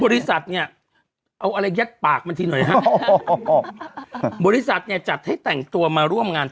บริษัทเนี่ยเอาอะไรยัดปากมันทีหน่อยฮะบริษัทเนี่ยจัดให้แต่งตัวมาร่วมงาน